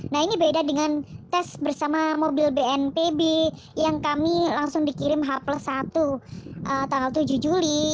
nah ini beda dengan tes bersama mobil bnpb yang kami langsung dikirim h plus satu tanggal tujuh juli